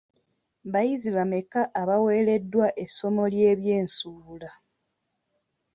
Bayizi bameka abawereddwa essomo ly'ebyensuubula?